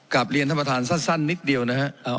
กลับเรียนท่านประธานสั้นนิดเดียวนะฮะ